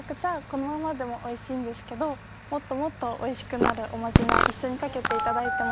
このままでもおいしいんですけどもっともっとおいしくなるおまじない一緒にかけて頂いてもよろしいですか？